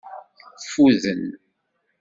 Ffuden.